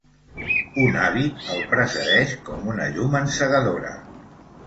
Un hàbit el precedeix com una llum encegadora.